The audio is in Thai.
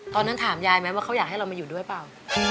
ถามยายไหมว่าเขาอยากให้เรามาอยู่ด้วยเปล่า